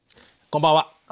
こんばんは。